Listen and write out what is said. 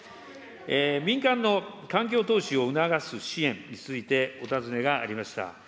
民間の環境投資を促す支援についてお尋ねがありました。